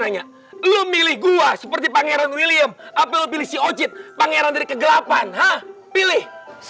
nanya lu milih gua seperti pangeran william apel pilih si ocit pangeran dari kegelapan ha pilih